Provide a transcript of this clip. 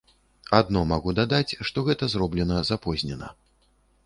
Адно магу дадаць, што гэта зроблена запознена.